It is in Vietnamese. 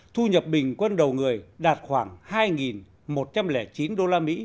thu nhập bình quân đầu người đạt khoảng hai một trăm linh chín usd